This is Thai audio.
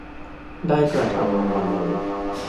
ได้กระทำในวันนี้